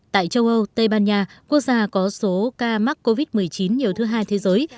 tại châu âu tây ban nha quốc gia có số ca mắc covid một mươi chín nhiều thứ hai thế giới